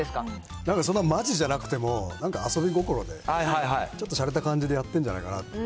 なんかそんなまじじゃなくても、なんか遊び心で、ちょっとしゃれた感じでやってるんじゃないかなと。